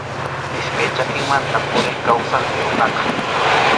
Iskay chakimanta puriq kawsaqmi runaqa.